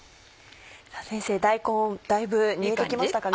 先生大根だいぶ煮えてきましたかね？